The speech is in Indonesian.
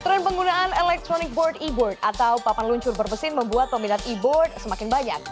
tren penggunaan electronic board e board atau papan luncur bermesin membuat peminat e board semakin banyak